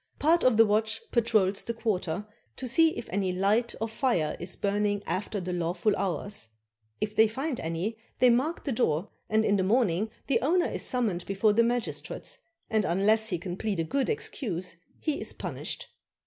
Part of the watch patrols the quarter, to see if any light or fire is burning after the lawful hours ; if they find any, they mark the door, and in the morning the owner is summoned before the magistrates, and unless he can plead a good excuse he is punished.